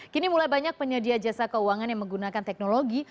kini mulai banyak penyedia jasa keuangan yang menggunakan teknologi